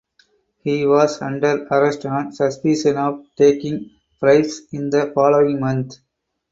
He was under arrest on suspicion of taking bribes in the following month.